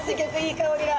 い香りが。